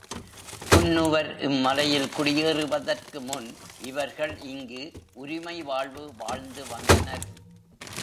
குன்னுவர் இம்மலையில் குடியேறுவதற்கு முன் இவர்கள் இங்கு உரிமை வாழ்வு வாழ்ந்து வந்தனர்.